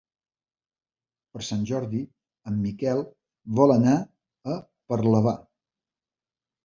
Per Sant Jordi en Miquel vol anar a Parlavà.